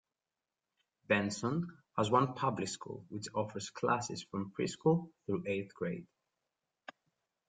Benson has one public school, which offers classes from pre-school through eighth grade.